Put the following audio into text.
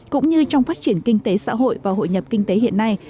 cũng như trong phát triển kinh tế xã hội và hội nhập kinh tế hiện nay